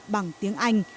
bằng tiếng anh